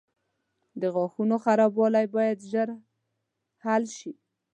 • د غاښونو خرابوالی باید ژر حل شي.